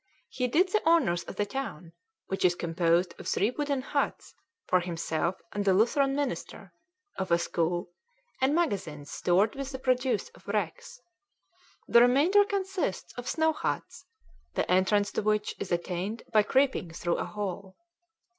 He did the honours of the town, which is composed of three wooden huts, for himself and the Lutheran minister, of a school, and magazines stored with the produce of wrecks. The remainder consists of snow huts, the entrance to which is attained by creeping through a hole.